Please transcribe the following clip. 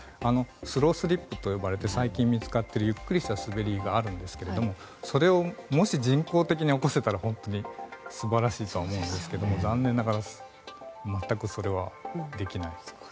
スロースリップと呼ばれている最近見つかったゆっくりした滑りがありますがもし人工的に起こせたら、本当に素晴らしいとは思うんですけど残念ながら全くそれはできないです。